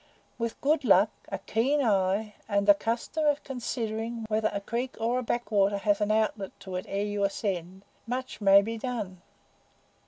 With good luck, a keen eye, and the custom of considering whether a creek or a backwater has an outlet to it ere you ascend, much may be done."